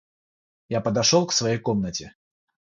Я подошел к своей комнате.